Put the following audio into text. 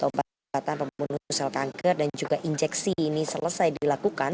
obat obatan pembunuh sel kanker dan juga injeksi ini selesai dilakukan